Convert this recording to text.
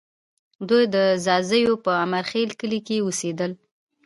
دوی د ځاځیو په امیرخېل کلي کې اوسېدل